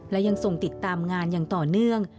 และยังทรงติดตามงานอย่างต่อเนื่อง